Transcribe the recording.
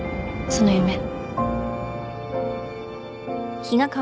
その夢。